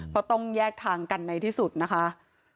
เพราะต้องแยกทางกันในที่สุดนะคะ